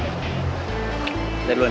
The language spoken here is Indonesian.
dari duluan ya